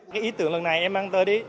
cái ý tưởng lần này em mang tới